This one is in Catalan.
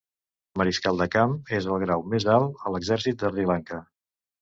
Mariscal de camp és el grau més alt a l'exèrcit de Sri Lanka.